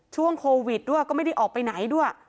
ช่วงโควิดด้วยก็ไม่ได้ออกไปไหนด้วย